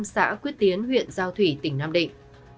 xã quyết tiến huyện giao thủy tỉnh nam định